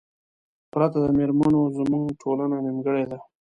پرته د میرمنو زمونږ ټولنه نیمګړې ده